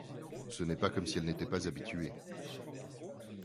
C’est pas comme si elle n’était pas habituée.